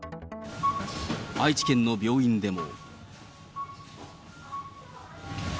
愛知県の病院でも。